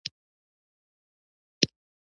قاضي بیا پوښتنه وکړه: بهلوله دغه کس دې کله لیدلی دی.